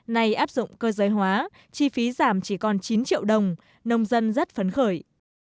này áp dụng cơ giới hóa chi phí giảm chỉ còn chín triệu đồng nông dân rất phấn khởi